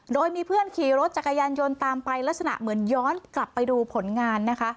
โดยมีเพื่อนขี่รถจักรยานยนต์ตามไปลักษณะเหมือนย้อนกลับไปดูผลงานนะคะ